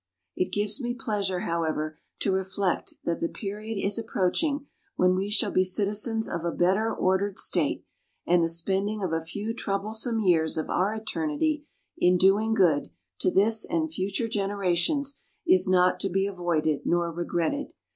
It gives me pleasure, however, to reflect that the period is approaching when we shall be citizens of a better ordered State, and the spending of a few troublesome years of our eternity in doing good to this and future generations is not to be avoided nor regretted.